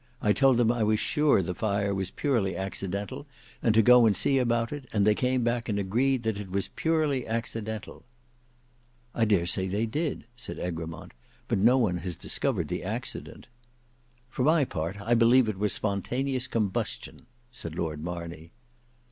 I told them I was sure the fire was purely accidental, and to go and see about it; and they came back and agreed that it was purely accidental." "I dare say they did," said Egremont; "but no one has discovered the accident." "For my part, I believe it was spontaneous combustion," said Lord Marney.